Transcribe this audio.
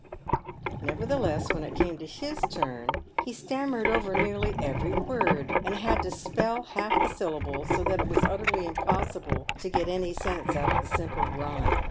Nevertheless, w r hen it came to his turn, he stammered over nearly every word, and had to spell half the syllables, so that it was utterly impossible to get any sense out of the simple rhyme.